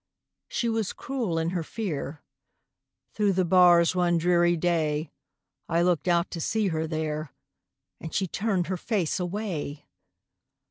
She was cruel in her fear; Through the bars one dreary day, I looked out to see her there, And she turned her face away!